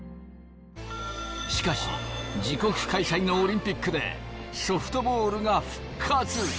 しかし自国開催のオリンピックでソフトボールが復活。